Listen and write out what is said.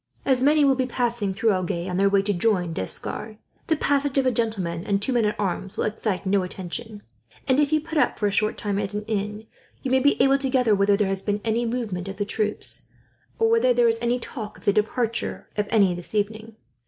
As many will be passing through Agen, on their way to join D'Escars, the passage of a gentleman and two men at arms will excite no attention; and if you put up for a short time at an inn, you may be able to gather whether there has been any movement of the troops, or whether there is any talk of the departure of any, this evening.